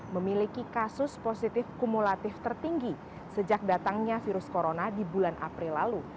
memiliki kasus positif kumulatif tertinggi sejak datangnya virus corona di bulan april lalu